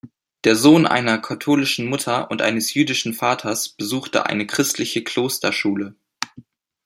Der Sohn einer katholischen Mutter und eines jüdischen Vaters besuchte eine christliche Klosterschule.